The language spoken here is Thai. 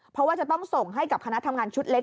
เพราะว่าจะต้องส่งให้กับคณะทำงานชุดเล็ก